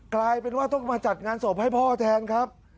กลายเป็นว่าต้องมาจัดงานศพให้พ่อแทนครับ